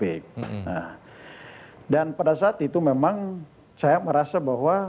nah dan pada saat itu memang saya merasa bahwa